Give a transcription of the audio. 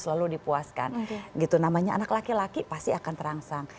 selalu dipuaskan gitu namanya anak laki laki pasti akan terangsang